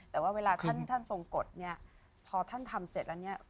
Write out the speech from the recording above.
แต่ว่าเวลาท่านท่านทรงกฎเนี่ยพอท่านทำเสร็จแล้วเนี่ย